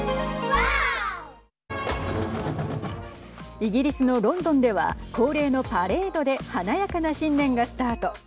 イギリスのロンドンでは恒例のパレードで華やかな新年がスタート。